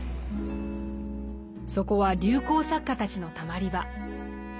そこは流行作家たちのたまり場。